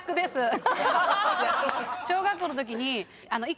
小学校のときに。